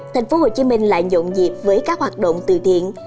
thành phố hồ chí minh lại dọn dịp với các hoạt động từ thiện